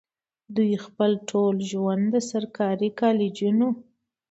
دوي خپل ټول ژوند د سرکاري کالجونو